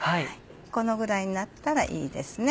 このぐらいになったらいいですね。